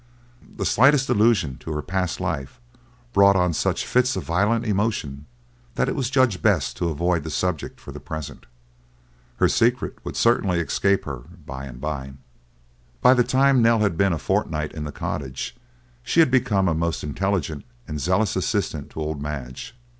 The slightest allusion to her past life brought on such fits of violent emotion, that it was judged best to avoid the subject for the present. Her secret would certainly escape her by and by. By the time Nell had been a fortnight in the cottage, she had become a most intelligent and zealous assistant to old Madge.